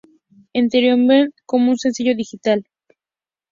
Entertainment como un sencillo digital.